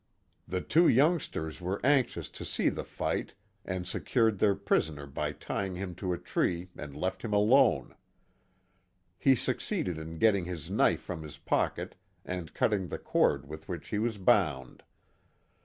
The two youngsters were anxious to see the fight and secured their prisoner by tying him to a tree and left him alone. He suc ceeded in getting his knife from his pocket and cutting the cord with which he was bound.